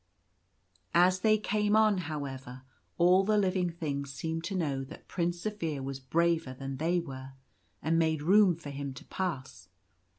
As they came on, however, all the living things seemed to know that Prince Zaphir was braver than they were, and made room for him to pass.